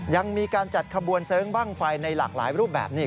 ยังมีการจัดขบวนเสริงบ้างไฟในหลากหลายรูปแบบนี้